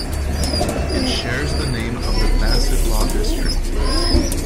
It shares the name of the Bassetlaw district.